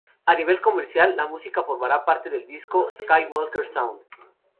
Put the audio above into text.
A nivel comercial, la música formará parte del disco Skywalker Sound.